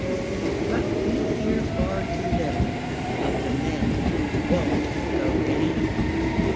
But we hear far too little Of the men who won't go down.